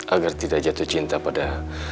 agar tidak jatuh cinta pada